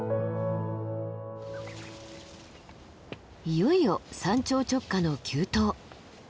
いよいよ山頂直下の急登。